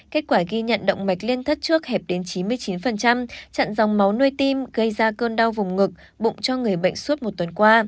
kết quả ghi nhận động mạch liên thất trước hẹp đến chín mươi chín chặn dòng máu nuôi tim gây ra cơn đau vùng ngực bụng cho người bệnh suốt một tuần qua